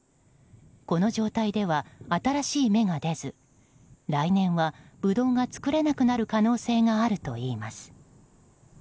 この状態では新しい芽が出ず来年は、ブドウが作れなくなる可能性があるといいます。